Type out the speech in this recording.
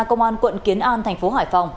công an quận kiến an thành phố hải phòng